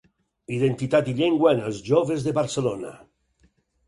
Identitat i llengua en els joves de Barcelona.